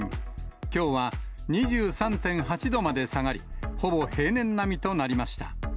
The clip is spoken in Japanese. きょうは２３．８度まで下がり、ほぼ平年並みとなりました。